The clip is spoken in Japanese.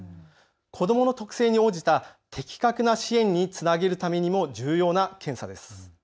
子どもの特性に応じた的確な支援につなげるためにも重要な検査です。